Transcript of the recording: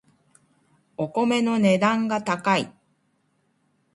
お米の値段が高い